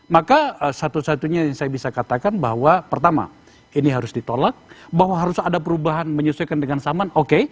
maka satu satunya yang saya bisa katakan bahwa pertama ini harus ditolak bahwa harus ada perubahan menyesuaikan dengan saman oke